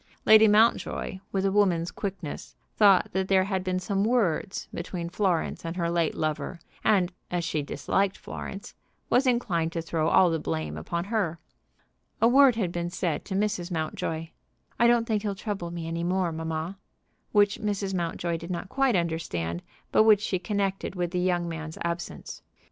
Lady Mountjoy, with a woman's quickness, thought that there had been some words between Florence and her late lover, and, as she disliked Florence, was inclined to throw all the blame upon her. A word had been said to Mrs. Mountjoy, "I don't think he'll trouble me any more, mamma," which Mrs. Mountjoy did not quite understand, but which she connected with the young man's absence.